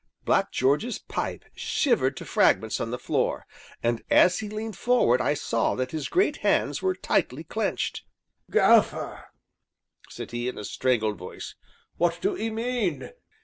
Black George's pipe shivered to fragments on the floor, and as he leaned forward I saw that his great hands were tightly clenched. "Gaffer," said he, in a strangled voice, "what do 'ee mean?"